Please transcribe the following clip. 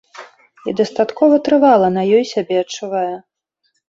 І дастаткова трывала на ёй сябе адчувае.